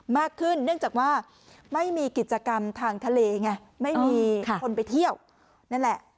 เนื่องจากว่าไม่มีกิจกรรมทางทะเลไงไม่มีคนไปเที่ยวนั่นแหละ